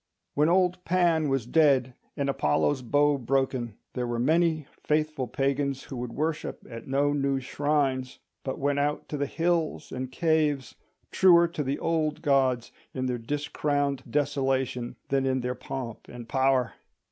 When old Pan was dead and Apollo's bow broken, there were many faithful pagans who would worship at no new shrines, but went out to the hills and caves, truer to the old gods in their discrowned desolation than in their pomp and power.